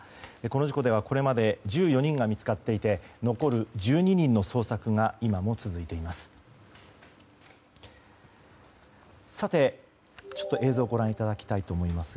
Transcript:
この事故ではこれまで１４人が見つかっていて残る１２人の捜索が今も続いています。